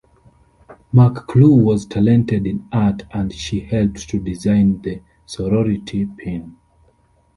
McClure was talented in art and she helped to design the sorority pin.